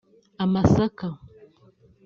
amasaka